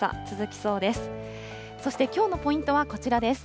そしてきょうのポイントはこちらです。